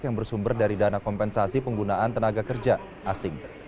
yang bersumber dari dana kompensasi penggunaan tenaga kerja asing